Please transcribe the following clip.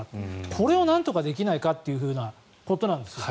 これをなんとかできないかということなんです。